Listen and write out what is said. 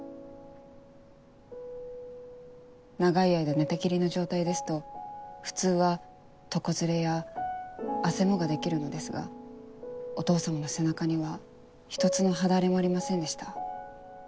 長い間寝たきりの状態ですと普通は床擦れやあせもが出来るのですがお義父様の背中には一つの肌荒れもありませんでした。